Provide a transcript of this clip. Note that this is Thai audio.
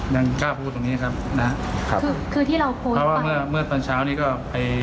ยังกล้าพูดตรงนี้ครับนะครับคือคือที่เราพูดเพราะว่าเมื่อเมื่อตอนเช้านี้ก็ไป